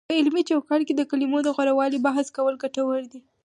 په علمي چوکاټ کې د کلمو د غوره والي بحث کول ګټور دی،